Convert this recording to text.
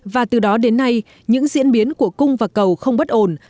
và từ đó đến nay những diễn biến của cung và cầu không bất ổn